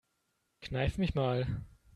Kneif mich mal.